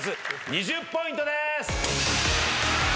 ２０ポイントです！